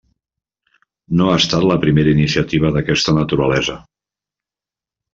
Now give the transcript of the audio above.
No ha estat la primera iniciativa d'aquesta naturalesa.